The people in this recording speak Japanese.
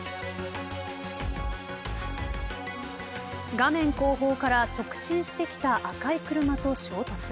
画面後方から直進してきた赤い車と衝突。